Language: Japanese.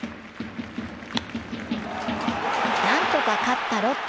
何とか勝ったロッテ。